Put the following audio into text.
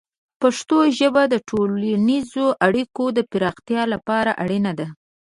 پښتو ژبه د ټولنیزو اړیکو د پراختیا لپاره اړینه ده.